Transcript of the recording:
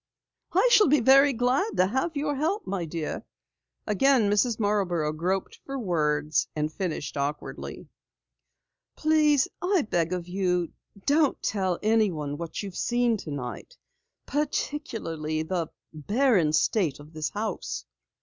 "I shall be very glad to have your help, my dear." Again Mrs. Marborough groped for words and finished awkwardly: "Please, I beg of you, don't tell anyone what you have seen tonight, particularly the barren state of this house."